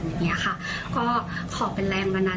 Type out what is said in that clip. ขอเป็นแรงบันดาลใจให้ทุกคนมุ่งมั่นเหมือนจะไปสนในบริหาร